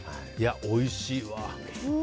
おいしい。